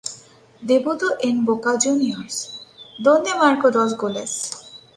Debutó en Boca Juniors, donde marcó dos goles.